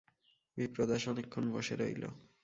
বিপ্রদাস অনেকক্ষণ রইল বসে।